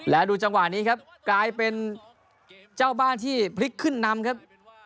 และดูจังหวะนี้ครับกลายเป็นเจ้าบ้านที่พลิกขึ้นนำครับ